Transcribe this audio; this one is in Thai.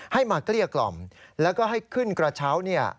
ให้มาเกลี้ยกล่อมแล้วก็ให้ขึ้นกระเช้า